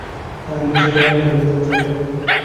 তাঁহার ইচ্ছা হইল, রান্না ফেলিয়া তিনি চলিয়া যান।